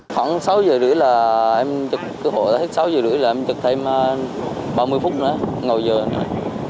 khoảng sáu h ba mươi là em chụp cứu hộ hết sáu h ba mươi là em chụp thêm ba mươi phút nữa ngồi giờ nữa